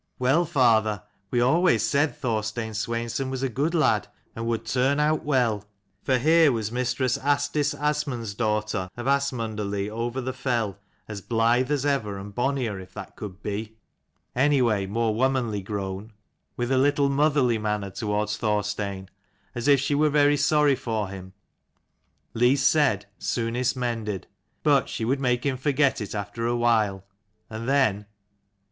" Well, father, we always said Thorstein Sweinson was a good lad and would turn out well." For here was mistress Asdis Asmund's daughter of Asmundarlea over the fell, as blithe as ever, and bonnier, if that could be : anyway 198 more womanly grown, with a little motherly manner towards Thorstein, as if she were very sorry for him, least said soonest mended ; but she would make him forget it after a while, and then.